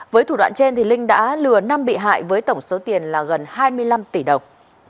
với thủ đoạn trên linh đã lừa năm bị hại với tổng số tiền là gần hai mươi năm tỷ đồng